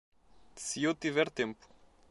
Se eu tiver tempo